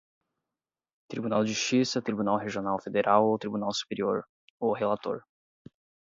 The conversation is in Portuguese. tribunal de justiça, tribunal regional federal ou tribunal superior, o relator: